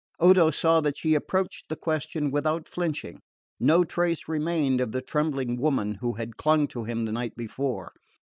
Odo saw that she approached the question without flinching. No trace remained of the trembling woman who had clung to him the night before.